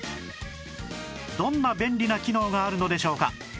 どんな便利な機能があるのでしょうか？